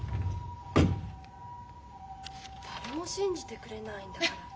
誰も信じてくれないんだから。